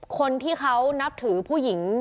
คนที่เขานับถือผู้หญิง